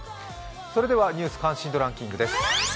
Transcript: それでは「ニュース関心度ランキング」。